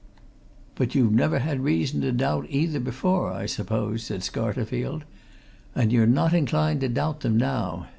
"But you've never had reason to doubt either before, I suppose," said Scarterfield. "And you're not inclined to doubt them now.